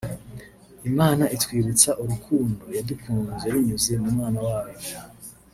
Imana itwibutsa urukundo yadukunze binyuze mu mwana wayo